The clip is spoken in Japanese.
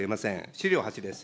資料８です。